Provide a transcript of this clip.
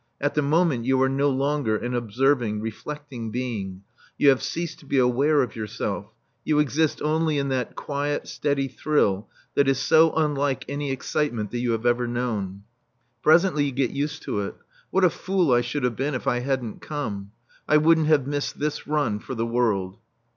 At the moment you are no longer an observing, reflecting being; you have ceased to be aware of yourself; you exist only in that quiet, steady thrill that is so unlike any excitement that you have ever known. Presently you get used to it. "What a fool I should have been if I hadn't come. I wouldn't have missed this run for the world."